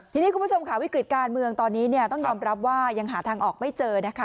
ทีนี้คุณผู้ชมค่ะวิกฤติการเมืองตอนนี้เนี่ยต้องยอมรับว่ายังหาทางออกไม่เจอนะคะ